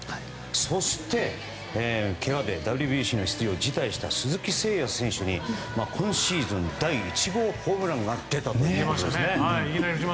そして、けがでＷＢＣの出場を辞退した鈴木誠也選手に今シーズン第１号ホームランが出たということですね。